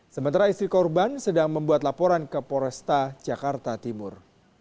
sementara istri korban sedang membuat laporan ke poresta jakarta timur